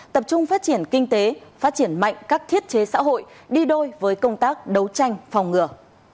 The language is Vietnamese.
tập trung phát triển kinh tế phát triển mạnh các thiết chế xã hội đi đôi với công tác đấu tranh phòng ngừa